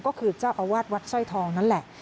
ก็คือเจ้าอาวาสวัดสร้อยทองนั่นแหละ